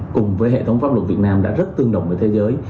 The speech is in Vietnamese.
cùng với hệ thống pháp luật việt nam đã rất tương đồng với thế giới